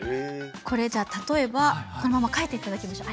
これじゃあ例えばこのまま書いていただきましょう。